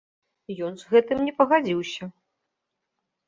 Ён з гэтым не пагадзіўся.